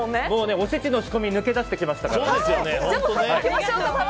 おせちの仕込み抜け出して来ましたから。